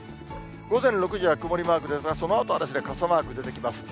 午前６時は曇りマークですが、そのあとは傘マーク出てきます。